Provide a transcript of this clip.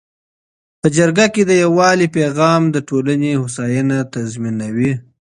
په جرګه کي د یووالي پیغام د ټولنې هوساینه تضمینوي.